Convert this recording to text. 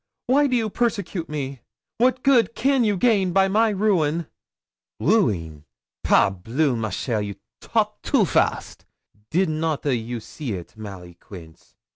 Why do you persecute me? What good can you gain by my ruin?' 'Rueen! Par bleu! ma chère, you talk too fast. Did not a you see it, Mary Queence?